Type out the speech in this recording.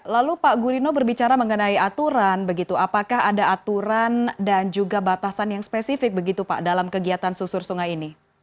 lalu pak guritno berbicara mengenai aturan apakah ada aturan dan juga batasan yang spesifik dalam kegiatan susur sungai ini